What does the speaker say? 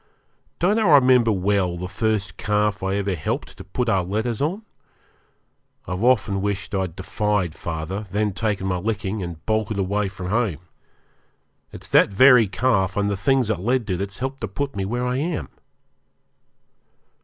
Don't I remember well the first calf I ever helped to put our letters on? I've often wished I'd defied father, then taken my licking, and bolted away from home. It's that very calf and the things it led to that's helped to put me where I am!